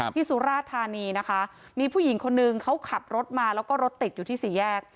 สุราธานีนะคะมีผู้หญิงคนนึงเขาขับรถมาแล้วก็รถติดอยู่ที่สี่แยก